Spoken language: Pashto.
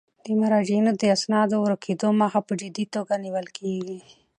د مراجعینو د اسنادو د ورکیدو مخه په جدي توګه نیول کیږي.